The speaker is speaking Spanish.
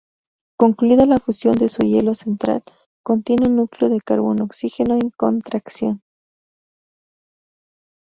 Concluida la fusión de su helio central, contiene un núcleo de carbono-oxígeno en contracción.